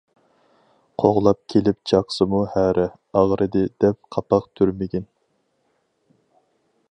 قوغلاپ كېلىپ چاقسىمۇ ھەرە، «ئاغرىدى» دەپ قاپاق تۈرمىگىن.